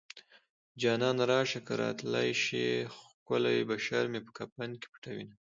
جانانه راشه که راتلی شې ښکلی بشر مې په کفن کې پټوينه